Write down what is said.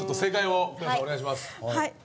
はい。